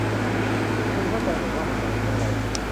คุณเข้าใจไหมว่ามันหมายถึงอะไร